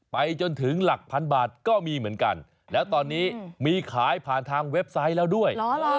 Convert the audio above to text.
ไปจนถึงหลักพันบาทก็มีเหมือนกันแล้วตอนนี้มีขายผ่านทางเว็บไซต์แล้วด้วย